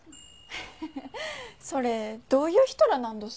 フフッそれどういう人らなんどす？